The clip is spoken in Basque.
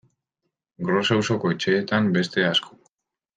Gros auzoko etxeetan beste asko.